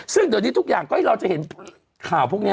ซึ่งตอนนี้ทุกอย่างก็ให้เราจะเห็นข่าวพวกนี้